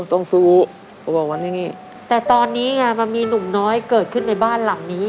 ต้องสู้เขาบอกวันอย่างงี้แต่ตอนนี้ไงมันมีหนุ่มน้อยเกิดขึ้นในบ้านหลังนี้